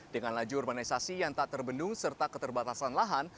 dengan laju urbanisasi yang tak terbendung serta keterbatasan lahan